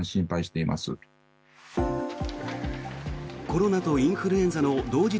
コロナとインフルエンザの同時